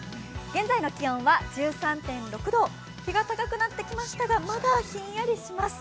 現在の気温は１３．６度、日が高くなってきましたがまだひんやりします。